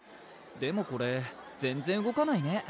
でもこれ全然動かないね